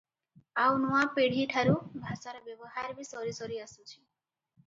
ଆଉ ନୂଆ ପିଢ଼ିଠାରୁ ଭାଷାର ବ୍ୟବହାର ବି ସରିସରି ଆସୁଛି ।